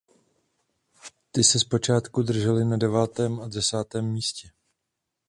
Ty se zpočátku držely na devátém a desátém místě.